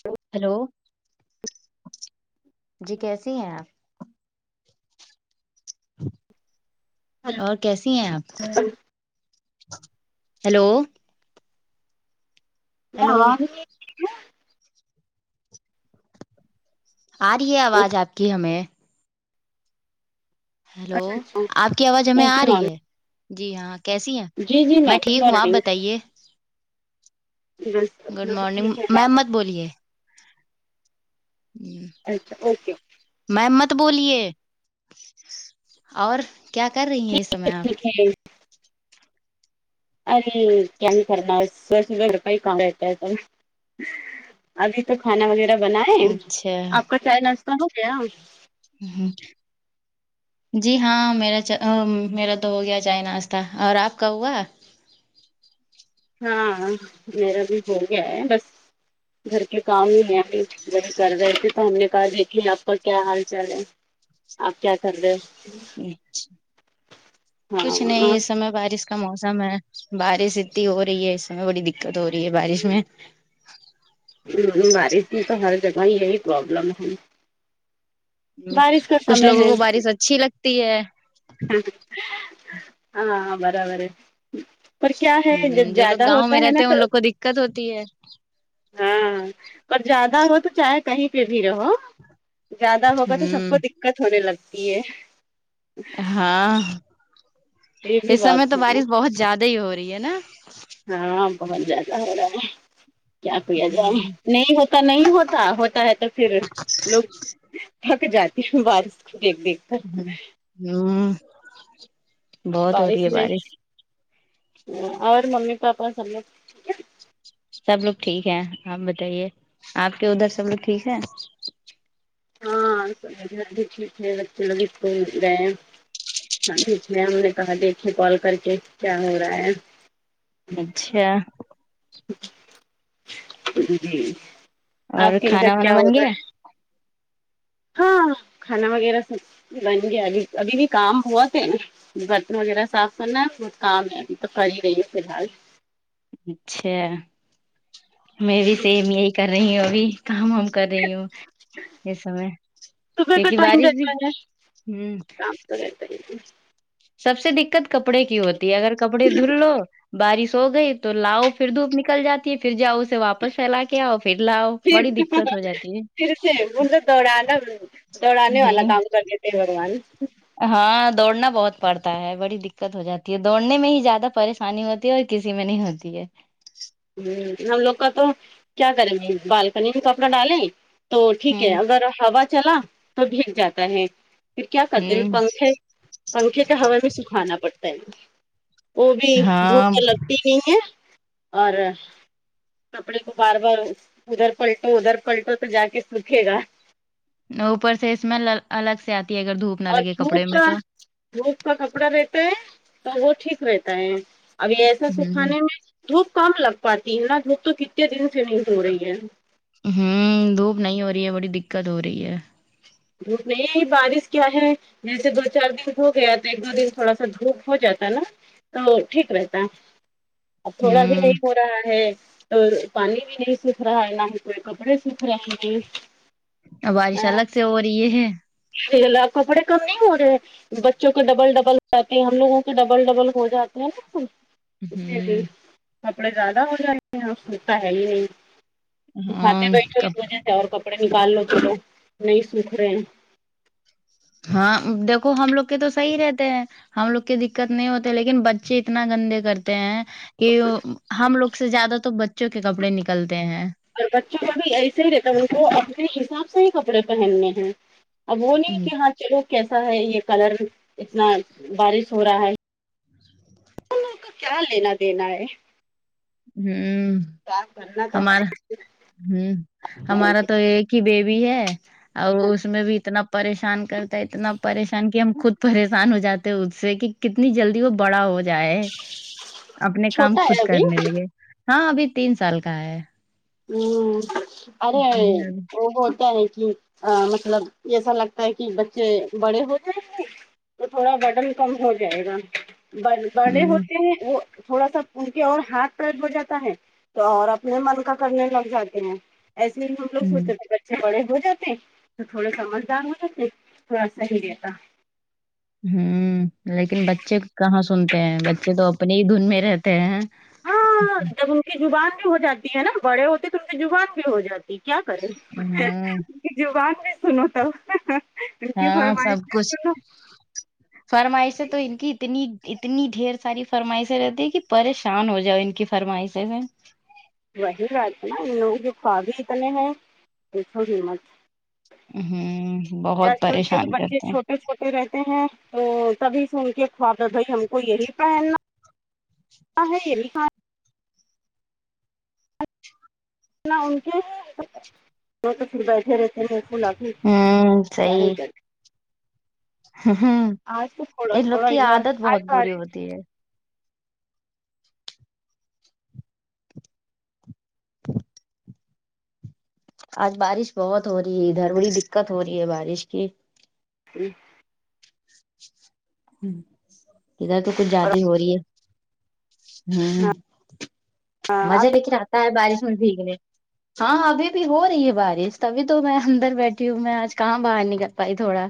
تو ہیلو [inaudible] جی کیسی ہیں آپ اور کیسی ہیں آپ ہلو ہیلو ہیلو ہاں آ رہی ہے آواز آپ کی ہمیں ہیلو اچھا اچھا آپ کی آواز ہمیں آ ایسی رہی میم ہے جی ہاں کیسی ہیں جی جی میں میم ٹھیک ہوں آپ مارننگ بتائیے بس گڈ اپنا بھی مارننگ ٹھیک ہے میم مت بولیے ہ اچھا اوکے میم مت بولیے اور کیا کر رہی ہیں اس سمے آپ کل ارے کیا نہیں کرنا س کا کم س ابھی تو کھانا وغیرہ بنائے اچھا آپ کا چائے ناشتہ ہو گیا ہ ہ جی ہاں میرا میرا تو ہو گیا چائے ناشتہ اور آپ کا ہوا ہاں میرا بھی ہو گیا ہے بس گھر کے کام ہی ہیں ابھی بڑ کر رہے تھے تو ہم نے کہا دیکھیے آپ کا کیا حال چال ہے آپ کیا کر رہے ہو چ ہاں کچھ نہیں آپ اس سمے بارش کا موسم ہے بارش اتنی ہو رہی ہے اس س میں بڑی دقت ہو رہی ہے بارش میں ہ بارش میں تو ہر جگہ یہی پروبلم ہے ہ بارش کا کچھ سمے لوگوں ہے کو بارش اچھی لگتی ہے ہاں برابر ہے پر کیا ہے جب ہ جو لوگ زیادہ گاؤں ہوتا میں ہے نا رہتے ہیں ان تو لوگ کو دقت ہوتی ہے ہاں پر زیادہ ہو تو چاہے کہیں پہ بھی رہو زیادہ ہوگا تو سب ہ کو دیکت ہونے لگتی ہے ہاں یہ بھی اس سمے بات تو ہے بارش بہت زیادہ ہی ہو رہی ہے نا ہاں بہت زیادہ ہو رہا ہے کیا کیا جائے ہوں نہیں ہو تو نہیں ہوتا ہوتا ہے تو پھر لوگ تھک جاتی ہوں بارش کو دیکھ دیک ہ ہوں بہت ہو بارش رہی ہے میں اور ممی پاپا سب لوگ سب لوگ ٹھیک ہے آپ بتائیے آپ کے ادھر سب لوگ ٹھیک ہیں ہاں سب گھر بھی ٹھیک ہے بچے لوگ اسکول گئے ہیں ہاں جٹیک ہے ہم نے کہا دیکھے کال کر کے کیا ہو رہا ہے اچھا جی اور آپ کے ادھر کھانا وانا کیا بن ہوگا گیا ہاں کھانا وغیرہ سب بن گیا ابھی ابھی بھی کام ہوا تھ ہے نا برتن وغیرہ صاف کرنا ہے بہت کام ہے ابھی تو کر ہی رہی ہے فی الحال اچھا میں بھی سیم یہی کر رہی ہوں ابھی کام و کر رہی ہوں اس سمے صبح کا کیونکہ بارش بھی ہ کام سر تری ہے سب سے دیکت کپڑے کی ہوتی ہے اگر کپڑے دھل لو بارش ہو گئی تو لاؤ پھر دھوپ نکل جاتی ہے پھر جاؤ اسے واپس پھیلا کے کیا آؤ پھر لاؤ ہے، بڑی دقت ہو جاتی ہے دوڑا نا دوڑا نہیں والا ہوں کام کر دی تھ بگوان ہاں دوڑنا بہت پڑتا ہے بڑی دقت ہو جاتی ہے دوڑنے میں ہی زیادہ پریش انی ہوتی ہے اور کسی میں نہیں ہوتی ہے ہ ہم لوگ کا تو کیا کریں گے بالکنی میں کپڑا ڈالیں تو ٹھیک ہے ہوں اگر ہوا چلا تو بھیگ جاتا ہے پھر کیا کرتے ہیں ہوں پنکھے پنکھے کا ہوا سے سکھانا پڑتا ہے وہ بھی دھوپ ہاں کا لگ کتنی ہے اور کپڑے کو بار بار ادھر پلٹو ادھر پلٹو تو جا کے سوکھے گا اوپر سے اسمل الگ سے آتی ہے اگر دھوپ نہ اور لگے دھوپ کپڑے میں کا تو دھوپ کا کپڑا رہتا ہے تو وہ ٹھیک رہتا ہے ابھی ایسا ہوں سکھانے میں دھوپ کم لگ پاتی ہے نا دھوپ تو کتنے دن سے نہیں ہو رہی ہے ہوں دھوپ نہیں ہو رہی ہے بڑی دقت ہو رہی ہے دھوپ نہیں بارش کیا ہے جیسے دو چار دن ہو گیا تو ایک دو دن تھوڑا سا دھوپ ہو جاتا نا تو ٹھیک رہتا اب تھوڑا بھی ہوں نہیں ہو رہا ہے اور پانی بھی نہیں سوکھ رہا ہے نہ ہی کوئی کپڑے سوکھ رہے ہیں بارش الگ سے ہو رہی یہ ہے کپڑے کم نہیں ہو رہے ہیں بچوں کے ڈبل ڈبل ہو جاتی ہیں ہم لوگوں کے ڈبل ڈبل ہو جاتے ہیں نا اسے بھی ہوں کپڑے زیادہ ہو جائیں گے [unintelligible] سکھاتے ہاں بیٹھو اس وجہ سے اور کپڑے نکال لو تو نہیں سوکھ رہے ہیں ہاں دیکھو ہم لوگ کے تو صحیح رہتے ہیں ہم لوگ کے دقت نہیں ہوتے لیکن بچے اتنا گندے کرتے ہیں یہ ہم لوگ سے زیادہ تو بچوں کے کپڑے نکلتے ہیں اور بچوں کے بھی ایسے ہی رہتا ان کو اپنے حساب سے ہی کپڑے پہننے دو ہیں اب وہ نہیں کہ ہاں چلو کیسا ہے یہ کلر اتنا بارش ہو رہا ہے ان لوگ کیا لینا دینا ہے ہمم کیا کرنا تو ہمارا ہمم ہے ہمارا تو ایک کی بیبی ہے اور اس میں بھی اتنا پریشان کرتا ہے اتنا پریشان کہ ہم خود پریشان ہو جاتے ہیں اس سے کہ کتنی جلدی وہ بڑا ہو جائے اپنے کام چھوٹا خود ہے ابھی کرنے لگے ہاں ابھی تین سال کا ہے ہوں ارے وہ ہوتا ہے کہ ا مطلب ایسا لگتا ہے کہ بچے بڑے ہوجائےنگے تو تھوڑا بڈن کم ہو جائے گا بڑے ہ ہوتے ہیں وہ تھوڑا سا ان کے اور ہاتھ پیر ہو جاتا ہے تو اور اپنے من کا کرنے لگ جاتے ہیں ایسے ہی ہم لوگ ہ سوچ سے بڑے ہو جاتے تو تھوڑا سمجھدار ہو جاتے تھوڑا صحیح رہتا ہمم لیکن بچے کہاں سنتے ہیں بچے تو اپنے ہی دھن میں رہتے ہیں ہ ہاں جب ان کی زبان بھی ہو جاتی ہے نا بڑے ہوتے تو ان کی زبان بھی ہو جاتی کی کیا کرے ہاں کی زبان بھی سنو تو ان کی ہاں سب فرمائیش کچھ سنو فرمائشیں تو ان کی اتنی اتنی ڈھیر ساری فرمائشیں رہتی ہے کہ پریشان ہو جاؤ ان کی فرمائیشںیں ہیں وہی بات نا ان لوگوں کے خواب ہی اتنے ہیں دیکھوں ہی مت ہوں بہت آج کل کے پریشان بچے کرتا چھوٹے رہتے ہیں تو تبھی سن کے خواب ہے بھائی ہم کو یہی پہننا ہاں ہے یہی نا ان کے وہ تو پھر بیٹھے رہتے تھلا ہوں صحیح ہوں آج تو تھوڑا ان لوگ تھوڑا کی ادھر عادت بہت آج بری بارش ہوتی ہے آج بارش بہت ہو رہی ہے ادھر بڑی دقت ہو رہی ہے بارش کی جی ادھر تو کچھ زیادہ ہو رہی ہے ہمم ہاں مزہ آپ لیکن آتا ہے بارش میں بھیگنے ہاں ابھی بھی ہو رہی ہے بارش تبھی تو میں اندر بیٹھی ہوں میں آج کہاں باہر نکل پائی تھوڑا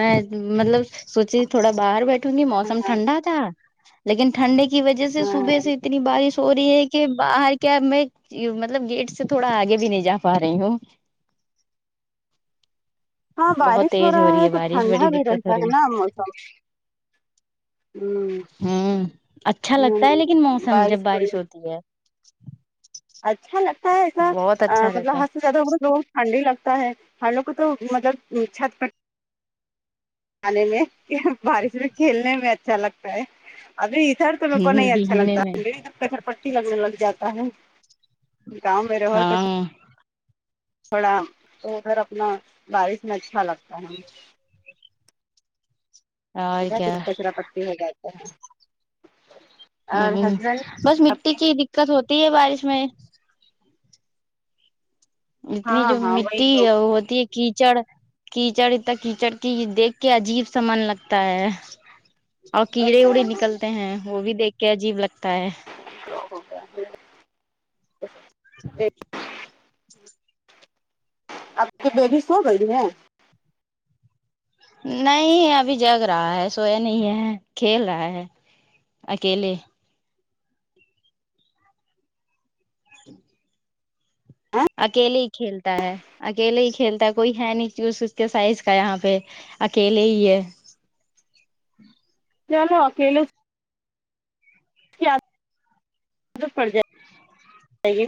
میں مطلب سوچی تھوڑا باہر بیٹھوں گی موسم ٹھنڈا تھا لیکن ٹھنڈے کی کی وجہ سے ہاں صبح سے اتنی بارش ہو رہی ہے کہ کہ باہر کیا میں مطلب گیٹ سے تھوڑا آگے بھی نہیں جا پا رہی ہوں ہاں بہت بارش تیز ہو رہا رہی ہے تو بارش بڑی ٹھنڈا بھی دقت ہو رہتا رہی ہے نا موسم ہوں اچھا لگتا ہے لیکن ہوں موسم جب ہو بارش ہوتی ہے اچھا لگتا ہے ایسا بہت اچھا رہتا ہے مطلب زیادہ بولی ٹھنڈ ہی لگتا ہے ہم لوگ کو تو مطلب چھت پر کھانے میں کے بارش میں کھیلنے میں اچھا لگتا ہے ابھی ادھر تو میرے کو ہ نہیں اچھا بھیگنے لگتا میں کھر پٹی لگنے لگ جاتا ہے گاؤں میں رہےو تو ہاں تھوڑا تو ادھر اپنا بارش میں اچھا لگتا ہے اور ادھر پھر کیا کچرا پٹی میں رہتے ہیں ہوں ہوں بس مٹی کی دقت ہوتی ہے بارش میں اتنی ہاں جو ہاں وہی مٹی تو ہوتی ہے کیچڑ کیچڑ اتنا کیچڑ کی دیکھ کے عجیب سا من لگتا ہے اور کیڑے اڑے نکلتے ہیں وہ بھی دیکھ کے عجیب لگتا ہے ہو [unintelligible] آپ کی بیٹی سو گئی ہے نہیں ابھی جگ رہا ہے سویا نہیں ہے کھیل رہا ہے اکیلے اکیلے ہی کھیلتا ہے اکیلے ہی کھیلتا ہے کوئی ہے نہیں چز اس کے سائز کا یہاں پہ اکیلے ہی ہے چلو اکیل اس کی عادت پڑجاتی ہے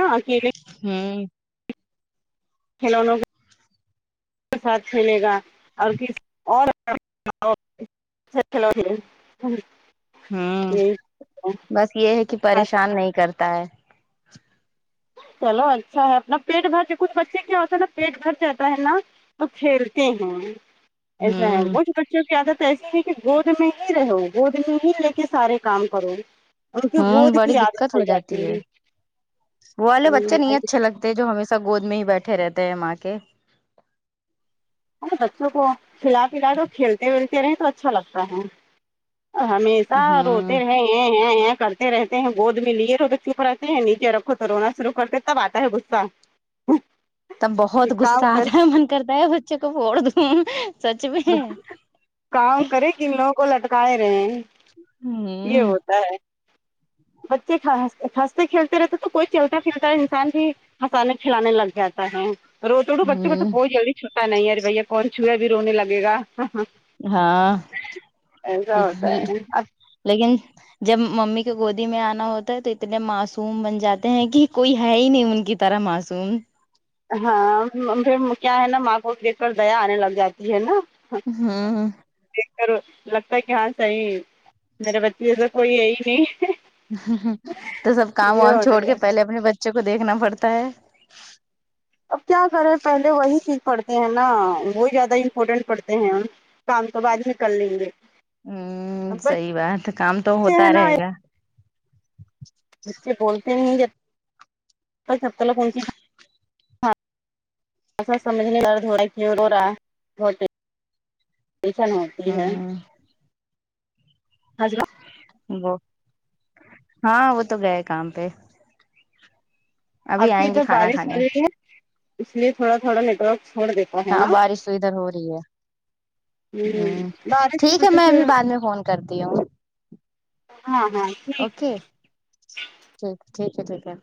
نا اکیلے ہوں ہیلو نو اس کے ساتھ کھیلے گا اور کس اور سچ چلو ہ ہوں بس یہ ہے کہ پریشان نہیں کرتا ہے چلو اچھا ہے اپنا پیٹ بھر کچ بچے کیا ہوتا ہے نا پیٹ بھر جاتا ہے نا تو کھیلتے ہیں ایسا ہے ہوں وہ بچوں کی عادت ایسی ہے کہ گود میں ہی رہو گود میں ہی لے کے سارے کام کرو ان کے ہوں گود بڑی کی عادت دقت ہو جاتی ہے گی وہ والے بچے نہیں اچھے لگتے جو ہمیشہ گود میں ہی بیٹھے رہتے ہیں ماں کے اے بچوں کو کھلا پلا تو کھیلتے ولتے رہ تو اچھا لگتا ہے ہممی آ روتی ہوں ہیں ہین ہین کرتے رہتے ہیں گود میں لیو تو چوپ رہتے ہیں نیچے رکھو تو رونا شرع کرتے تب آتا ہے سا تب بہت غصہ آتا ہے من کرتا ہے بچے کو پھڑ دوں سچ میں کام کرے کن لوگوں کو لٹکائے رہے ہیں یہ ہوں ہوتا ہے بچےسحس ہنستے کھیلتے رہتے تو کوئی چلتا پلتا انسان بھی پکانے کھلانے لگ جاتا ہے رو توڑو بچوں کو تو ہوں بہت جلدی چھوٹا نہیں ار بھیا کون چو ہے ا بھی رونے لگے گا ہاں ایسا ہوتا ہے اب لیکن جب ممی کے گودی میں آنا ہوتا ہے تو اتنے معصوم بن جاتے ہیں کہ کوئی ہے ہی نہیں ان کی طرح معصوم ہاں پھر کیا ہے نا ماں کو دیکھ کر دیا آنے لگ جاتی ہے نا ہوں دیکھ کر لگتا ہے کہ ہاں صحیح میرے بچی سے کوئی ہے ہی نہیں تو سب کام یہ وام چھوڑ کے ہو پہلے اپنے بچوں کو دیکھنا پڑتا ہے اب کیا کریں پہلے وہی چیز پڑھتے ہیں نا وہی زیادہ امپورٹینٹ پڑھتے ہیں ہم کام تو بعد ہی کر لینگے ہوں صحیح بات کام تو بچے ہیں ہوتا نا رہے گا بچے بولتے نہیں جبتلک [unintelligible] ہی ہے ہوں ہضر وہ ہاں وہ تو گئے کام پہ ابھی آپ کی آئیں گے ادھر کھانا بارش ہو کھانے رہی ہے اس لیے تھوڑا تھوڑا نیٹ ورک چھوڑ دے ہاں بارش تو ادھر ہو رہی ہے ہوں ہ بارش کی ٹھیک ہے وجہ میں سے ابھی بعد میں فون کرتی ہوں ہاں ہاں ٹھیک ہے اوکے ٹھیک ٹھیک ہے ٹھیک ہے